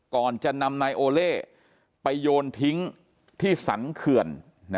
ก่อนจะนำนายโอเล่ไปโยนทิ้งที่สรรเขื่อน